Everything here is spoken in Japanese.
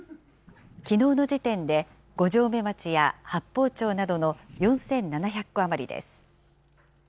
きのうの時点で、五城目町や八峰町などの４７００戸余りです。